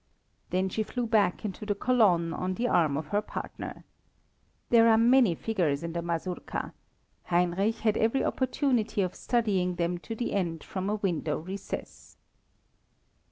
Then she flew back into the colonne on the arm of her partner. There are many figures in the mazurka, Heinrich had every opportunity of studying them to the end from a window recess.